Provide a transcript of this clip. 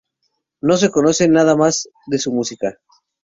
No se conoce nada de su música.